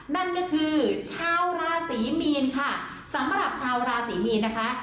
นั่นก็คือชาวราศรีมีนค่ะสำหรับชาวราศรีมีนนะคะ